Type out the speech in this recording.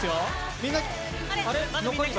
みんな。